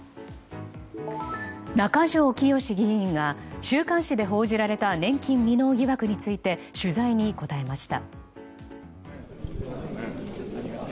中条きよし議員が週刊誌で報じられた年金未納疑惑について取材に答えました。